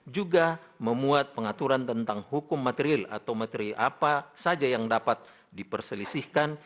juga memuat pengaturan tentang hukum materil atau materi apa saja yang dapat diperselisihkan